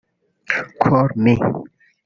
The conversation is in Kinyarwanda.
‘Call Me’